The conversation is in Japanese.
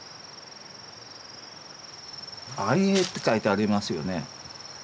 「安永」って書いてありますよね。